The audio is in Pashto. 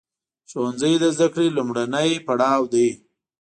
ښوونځی د زده کړې لومړنی پړاو دی.